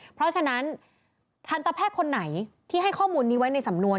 เพราะฉะนั้นทันตแพทย์คนไหนที่ให้ข้อมูลนี้ไว้ในสำนวน